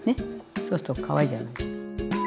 そうするとかわいいじゃない？